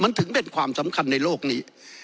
มันถึงเป็นความสำคัญในโลกนี้